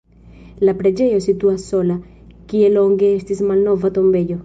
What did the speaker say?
La preĝejo situas sola, kie longe estis malnova tombejo.